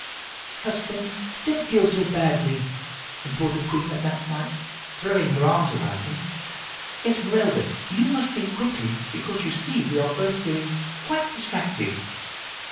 "'Husband, don't feel so badly,' implored the poor queen at that sight, throwing her arms around him. 'Esmeralda, you must think quickly, because you see we are both going quite distracted.